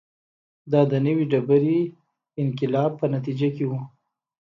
دا د نوې ډبرې انقلاب په نتیجه کې و